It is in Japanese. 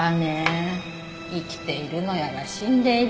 生きているのやら死んでいるのやら。